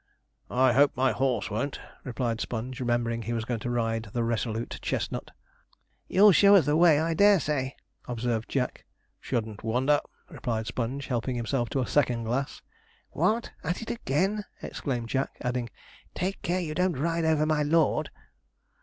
'I hope my horse won't,' replied Sponge, remembering he was going to ride the resolute chestnut. 'You'll show us the way, I dare say,' observed Jack. 'Shouldn't wonder,' replied Sponge, helping himself to a second glass. 'What! at it again!' exclaimed Jack, adding, 'Take care you don't ride over my lord.'